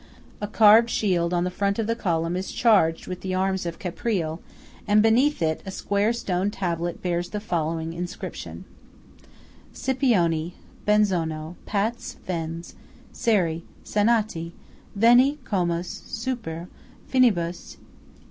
A carved shield on the front of the column is charged with the arms of Caprile, and beneath it a square stone tablet bears the following inscription:– SCIPIONI . BENZONO . PATS . VENS . SERI . SENATI . VENE . COMISS . SUPER . FINIBUS